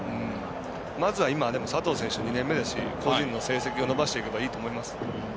まずは今、佐藤選手２年目ですし個人の成績を伸ばしていけばいいと思います。